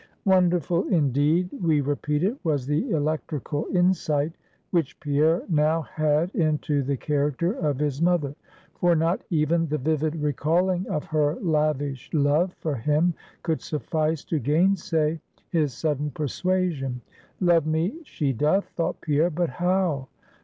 Wonderful, indeed, we repeat it, was the electrical insight which Pierre now had into the character of his mother, for not even the vivid recalling of her lavish love for him could suffice to gainsay his sudden persuasion. Love me she doth, thought Pierre, but how?